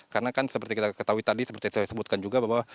karena kan seperti kita ketahui tadi seperti yang saya sebutkan juga bahwa